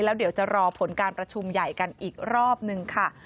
แล้วเดี๋ยวจะรอผลการประชุมใหญ่กันอีกรอบนึงค่ะ